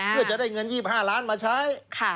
เพื่อจะได้เงิน๒๕ล้านมาใช้